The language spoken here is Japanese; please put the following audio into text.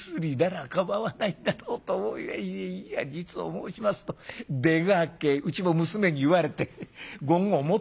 いや実を申しますと出がけうちも娘に言われて五合持ってんだ」。